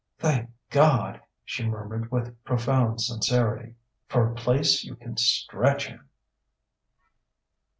"Thank God!" she murmured with profound sincerity "for a place you can stretch in!"